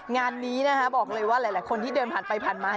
งานนี้นะคะบอกเลยว่าหลายคนที่เดินผ่านไปผ่านมา